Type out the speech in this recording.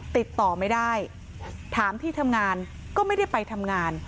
ติดต่อไม่ได้ถามที่ทำงานก็ไม่ได้ไปทำงาน